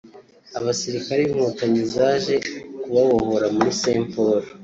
Abasirikare b’ Inkotanyi zaje kubabohora muri st Paul